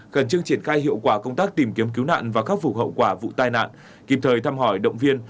cẩn trưng triển khai hiệu quả công tác tìm kiếm cứu nạn và khắc phục hậu quả vụ tai nạn kịp thời thăm hỏi động viên